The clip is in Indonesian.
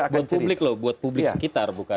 buat publik loh buat publik sekitar